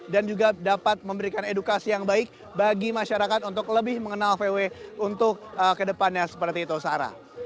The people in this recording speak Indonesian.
dan juga dapat memberikan edukasi yang baik bagi masyarakat untuk lebih mengenal vw untuk kedepannya seperti itu sarah